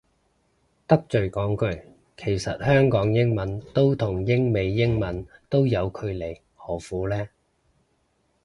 得罪講句，其實香港英文都同英美英文都有距離何苦呢